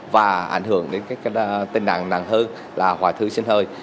và ảnh hưởng đến tình trạng nặng hơn là hoại thư sinh hơi